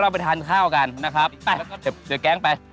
ไปทานข้าวกันนะครับเดี๋ยวแก๊งไป